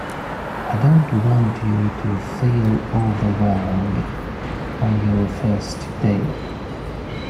I don't want you to feel overwhelmed on your first day.